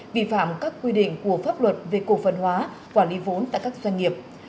vi phạm các quy định của pháp luật về cổ phần hóa quản lý vốn tại các doanh nghiệp